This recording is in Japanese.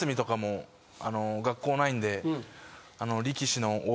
学校ないんで。